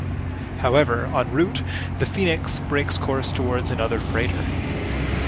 However, en route, the "Phoenix" breaks course towards another freighter.